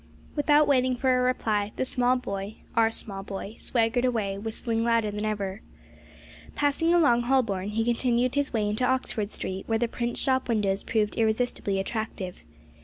Without waiting for a reply, the small boy (our small boy) swaggered away whistling louder than ever. Passing along Holborn, he continued his way into Oxford Street, where the print shop windows proved irresistibly attractive.